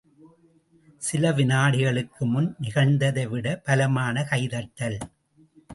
சில விநாடிகளுக்கு முன் நிகழ்ந்ததைவிட பலமான கைதட்டல்.